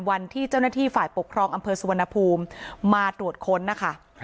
วันที่เจ้าหน้าที่ฝ่ายปกครองอำเภอสุวรรณภูมิมาตรวจค้นนะคะ